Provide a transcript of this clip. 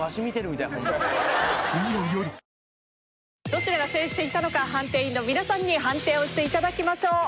どちらが制していたのか判定員の皆さんに判定をして頂きましょう。